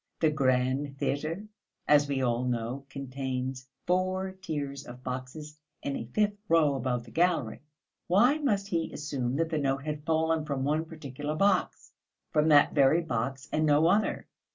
The Grand Theatre, as we all know, contains four tiers of boxes and a fifth row above the gallery. Why must he assume that the note had fallen from one particular box, from that very box and no other?